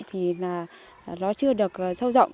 thì là nó chưa được sâu rộng